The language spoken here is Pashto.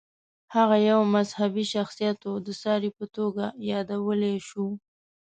هغه یو مذهبي شخصیت و، د ساري په توګه یادولی شو.